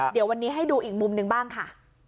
เดี๋ยววันนี้ให้ดูอีกมุมหนึ่งบ้างค่ะ